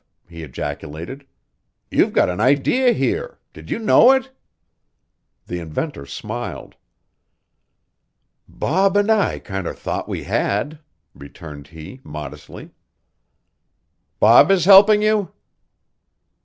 he ejaculated. "You've got an idea here. Did you know it?" The inventor smiled. "Bob an' I kinder thought we had," returned he modestly. "Bob is helping you?"